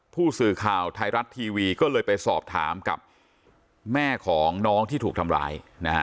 ผู้สื่อข่าวไทยรัฐทีวีก็เลยไปสอบถามกับแม่ของน้องที่ถูกทำร้ายนะฮะ